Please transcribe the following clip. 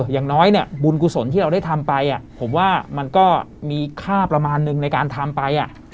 อย่างน้อยเนี่ยบุญกุศลที่เราได้ทำไปผมว่ามันก็มีค่าประมาณนึงในการทำไป